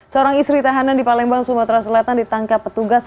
seorang istri tahanan di palembang sumatera selatan ditangkap petugas